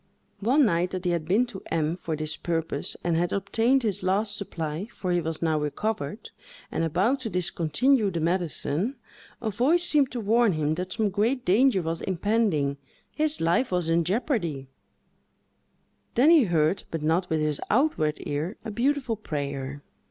One night, that he had been to M—— for this purpose, and had obtained his last supply, for he was now recovered, and about to discontinue the medicine, a voice seemed to warn him that some great danger was impending, his life was in jeopardy; then he heard, but not with his outward ear, a beautiful prayer.